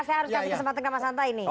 saya harus kasih kesempatan ke mas hanta ini